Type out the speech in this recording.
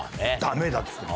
ダメだっつって。